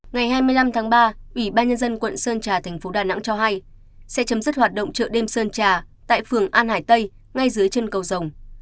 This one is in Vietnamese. ngày hai mươi năm tháng ba ủy ban nhân dân quận sơn trà thành phố đà nẵng cho hay sẽ chấm dứt hoạt động chợ đêm sơn trà tại phường an hải tây ngay dưới chân cầu rồng